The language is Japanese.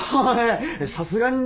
さすがにね。